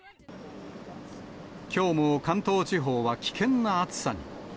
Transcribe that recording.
きょうも関東地方は危険な暑さに。